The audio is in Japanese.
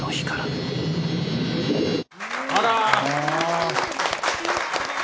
あら。